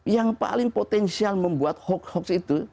yang paling potensial membuat hoaks hoaks itu